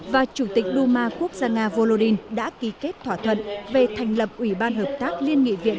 và chủ tịch đu ma quốc gia nga volodin đã ký kết thỏa thuận về thành lập ủy ban hợp tác liên nghị viện